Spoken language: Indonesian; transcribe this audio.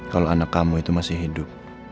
kalau anak kamu itu masih hidup